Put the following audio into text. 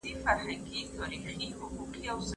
څه ډول حضوري ټولګي د تمرکز ساتلو کي مرسته کوي؟